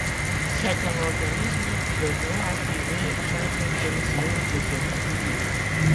C'est un organisme de droit privé chargé de missions de service public.